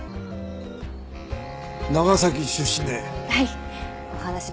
長崎出身ね？